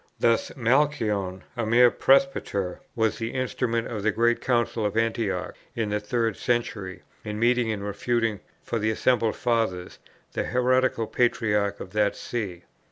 Thus Malchion, a mere presbyter, was the instrument of the great Council of Antioch in the third century in meeting and refuting, for the assembled Fathers, the heretical Patriarch of that see.